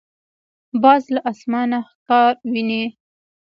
باز له اسمانه ښکار ویني.